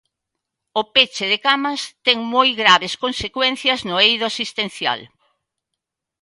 O peche de camas ten moi graves consecuencias no eido asistencial.